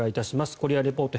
「コリア・レポート」